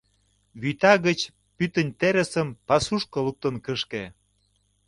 Вӱта гыч пӱтынь терысым пасушко луктын кышке...